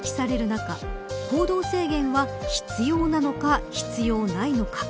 中行動制限は必要なのか必要ないのか。